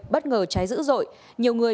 bất ngờ cháy dữ dội